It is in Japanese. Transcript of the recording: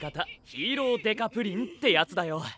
ヒーロー刑事プリンってやつだよ。